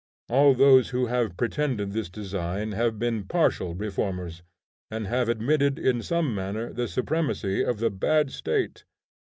All those who have pretended this design have been partial reformers, and have admitted in some manner the supremacy of the bad State.